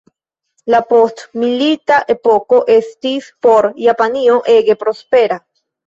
La postmilita epoko estis por Japanio ege prospera.